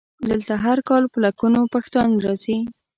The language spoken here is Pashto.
دلته هر کال په لکونو پښتانه راځي.